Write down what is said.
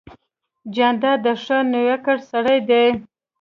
جانداد د ښه نویکر سړی دی.